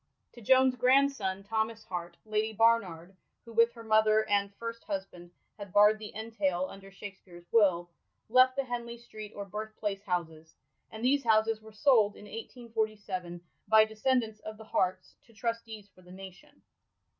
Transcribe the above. To Joan's grandson, Thomas Hart, Lady Barnard— who, with her mother and first husband, had barrd the entail under Shakspere's will — left the Henley Street or Birthplace houses ; and these houses were sold in 1847, by descend ants of the Harts, to trustees for the nation.